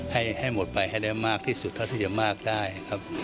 ให้หมดไปให้ได้มากที่สุดเท่าที่จะมากได้ครับ